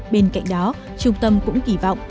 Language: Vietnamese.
bên cạnh đó trung tâm cũng kỳ vọng